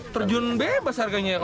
terjun b harganya